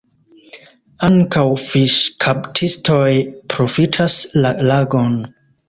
Ankaŭ fiŝkaptistoj profitas la lagon.